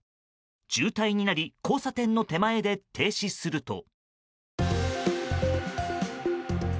渋滞になり交差点の手前で停止すると。